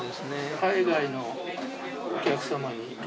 海外のお客様にウケる。